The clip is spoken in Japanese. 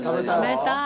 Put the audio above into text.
食べたい。